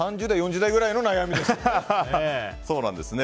３０代、４０代くらいの悩みですよね。